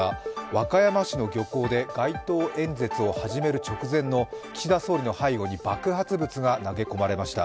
和歌山市の漁港で街頭演説を始める直前の岸田総理の背後に爆発物が投げ込まれました。